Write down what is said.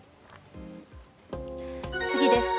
次です。